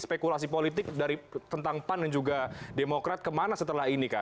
spekulasi politik dari tentang pan dan juga demokrat kemana setelah ini kak